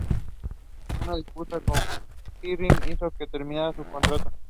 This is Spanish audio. Una disputa con Garrick hizo que terminara su contrato.